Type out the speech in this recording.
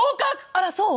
あらそう？